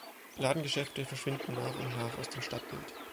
Ladengeschäfte verschwinden nach und nach aus dem Stadtbild.